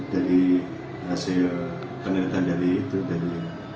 dari hasil penelitian dari itu dari